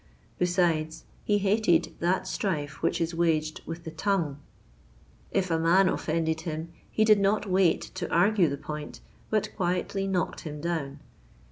Besides, he hated that strife which is waged with the tongue: if a man offended him, he did not wait to argue the point, but quietly knocked him down.